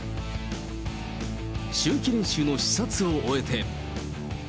秋季練習の視察を終えて。